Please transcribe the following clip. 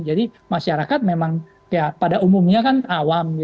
jadi masyarakat memang pada umumnya awam